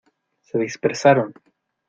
se dispersaron.